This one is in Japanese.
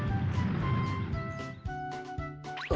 あ？